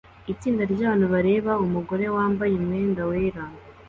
Itsinda ryabantu bareba umugore wambaye umwenda wera